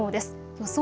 予想